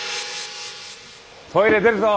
トイレ出るぞ。